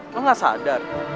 lo gak sadar